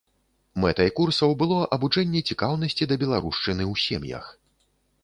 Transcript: Мэтай курсаў было абуджэнне цікаўнасці да беларушчыны ў сем'ях.